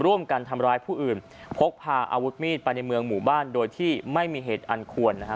ร่วมกันทำร้ายผู้อื่นพกพาอาวุธมีดไปในเมืองหมู่บ้านโดยที่ไม่มีเหตุอันควรนะฮะ